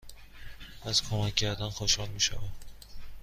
از کمک کردن خوشحال می شوم.